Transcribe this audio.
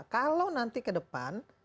kalau nanti kedepan